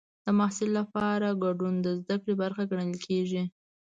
د محصل لپاره ګډون د زده کړې برخه ګڼل کېږي.